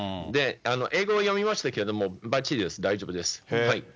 英語を読みましたけれども、ばっちりです、大丈夫です。